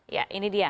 ya ini dia